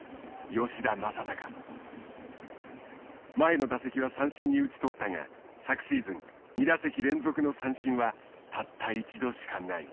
前の打席は三振に打ち取ったが昨シーズン２打席連続の三振はたった一度しかない。